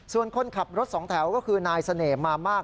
ส่วนคนขับรถสองแถวก็คือนายเสน่หมามาก